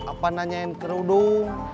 apa nanyain kerudung